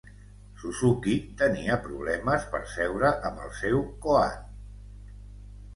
Suzuki tenia problemes per seure amb el seu koan.